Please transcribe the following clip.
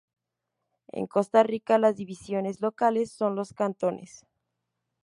En Costa Rica las divisiones locales son los cantones.